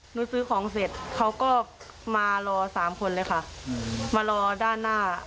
หนูซื้อของเสร็จเขาก็มารอสามคนเลยค่ะมารอด้านหน้า